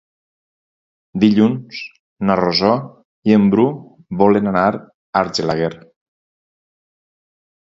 Dilluns na Rosó i en Bru volen anar a Argelaguer.